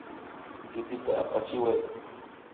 Kipita apachiway